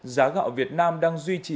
giá gạo việt nam đang duy trì